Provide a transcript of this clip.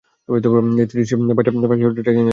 খিপশি পাসের ট্রেকিংয়ের যাত্রা।